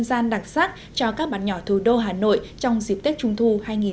dân gian đặc sắc cho các bạn nhỏ thủ đô hà nội trong dịp tết trung thu hai nghìn một mươi tám